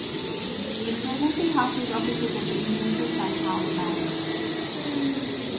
It presently houses offices of the Intesa San Paolo bank.